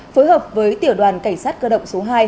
phối hợp với tiểu đoàn cảnh sát cơ động số hai